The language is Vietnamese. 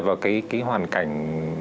vào cái hoàn cảnh